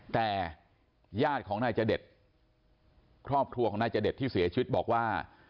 แต่ญาติของนายจเดชครอบครัวของนายจเดชที่เสียชีวิตบอกว่า